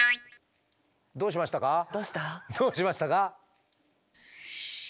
どうしましたか？